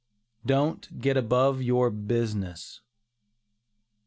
DON'T GET ABOVE YOUR BUSINESS.